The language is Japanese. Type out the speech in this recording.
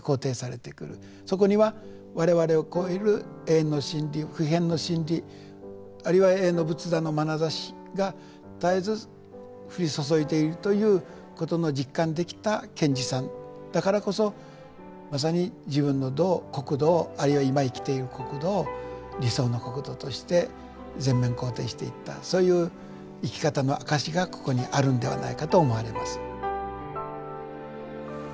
そこには我々を超える永遠の真理不変の真理あるいは永遠の仏陀のまなざしが絶えず降り注いでいるということの実感できた賢治さんだからこそまさに自分の道を国土をあるいは今生きている国土を理想の国土として全面肯定していったそういう生き方の証しがここにあるんではないかと思われます。